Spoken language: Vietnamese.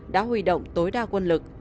đã huy động tối đa quân lực